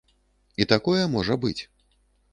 І такое можа быць.